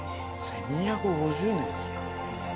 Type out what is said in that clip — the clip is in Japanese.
１，２５０年ですよ。